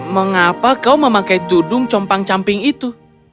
mengapa kau memakai tudung compang camping itu